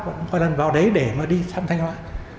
cũng vài lần vào đấy để mà đi thăm thanh hóa